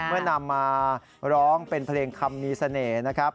เมื่อนำมาร้องเป็นเพลงคำมีเสน่ห์นะครับ